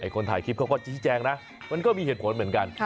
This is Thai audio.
คนถ่ายคลิปเขาก็ชี้แจงนะมันก็มีเหตุผลเหมือนกัน